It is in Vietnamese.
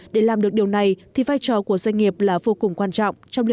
để làm được điều này thì vai trò của doanh nghiệp là vô cùng quan trọng